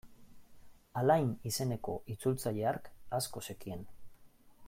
Alain izeneko itzultzaile hark asko zekien.